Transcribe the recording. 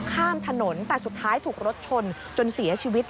ข้ามถนนแต่สุดท้ายถูกรถชนจนเสียชีวิต